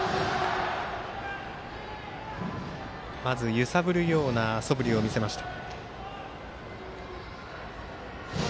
揺さぶるようなそぶりを見せました。